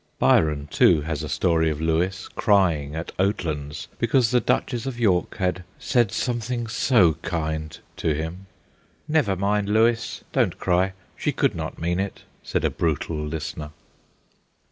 Byron, too, has a story of Lewis crying at Oatlands because the Duchess of York had 'said something so kind ' to him. ' Never mind, Lewis, don't cry. She could not mean it/ said a brutal listener.